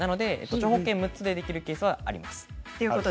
長方形の６つでできるケースがあります。